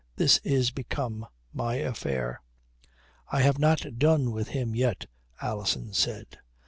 This is become my affair." "I have not done with him yet," Alison said.